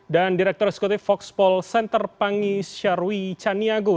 dan direktur eksekutif voxpol center pangis syarwi caniago